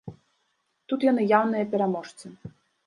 Тут яны яўныя пераможцы.